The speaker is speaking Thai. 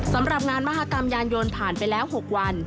สำหรับงานมหากรรมยานยนต์ผ่านไปแล้ว๖วัน